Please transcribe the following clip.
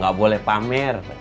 gak boleh pamer